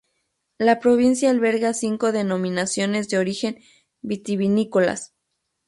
La provincia alberga cinco denominaciones de origen vitivinícolas.